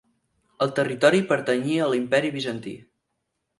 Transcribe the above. El territori pertanyia a l'Imperi Bizantí.